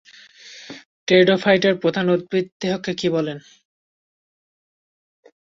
টেরিডোফাইটের প্রধান উদ্ভিদদেহকে কী বলে?